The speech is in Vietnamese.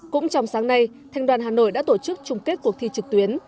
cũng trong sáng nay thành đoàn hà nội đã tổ chức chung kết cuộc thi trực tuyến